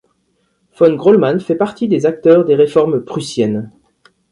Von Grolman fait partie des acteurs des réformes prussiennes.